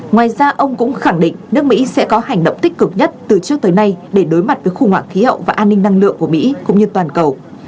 ngoài ra ông cũng khẳng định nước mỹ sẽ có hành động tích cực nhất từ trước tới nay để đối mặt với khủng hoảng khí hậu và an ninh năng lượng của mỹ cũng như toàn cầu